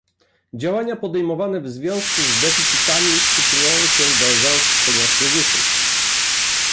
Działania podejmowane w związku z deficytami przyczyniają się do zaostrzenia kryzysu